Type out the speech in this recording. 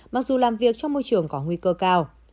mặc dù làm việc trong môi trường có nguy cơ cao